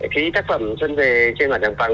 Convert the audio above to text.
thì tác phẩm xuân về trên bảng giang bằng